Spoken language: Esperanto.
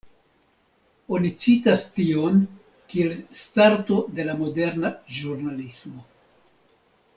Oni citas tion kiel starto de la moderna ĵurnalismo.